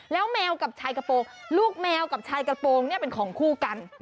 แล้วแมวกับชายกระโปรงลูกแมวกับชายกระโปรงเนี่ยเป็นของคู่กัน